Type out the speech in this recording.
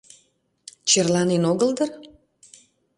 Черланен огыл дыр?